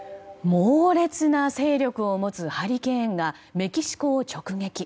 猛烈な勢力を持つハリケーンがメキシコを直撃。